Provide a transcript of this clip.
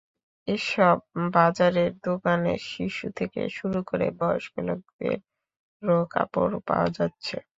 এসব বাজারের দোকানে শিশু থেকে শুরু করে বয়স্ক লোকদেরও কাপড় পাওয়া যাচ্ছে।